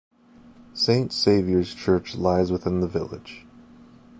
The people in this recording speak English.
Saint Saviour's Church lies within the village.